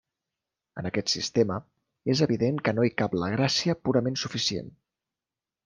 En aquest sistema, és evident que no hi cap la gràcia purament suficient.